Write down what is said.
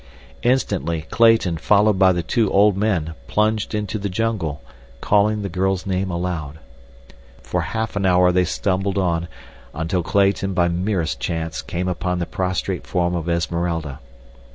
Instantly, Clayton, followed by the two old men, plunged into the jungle, calling the girl's name aloud. For half an hour they stumbled on, until Clayton, by merest chance, came upon the prostrate form of Esmeralda.